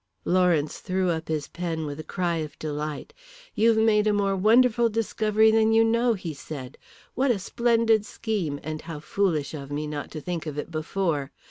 Lawrence threw up his pen with a cry of delight "You've made a more wonderful discovery than you know," he said. "What a splendid scheme, and how foolish of me not to think of it before.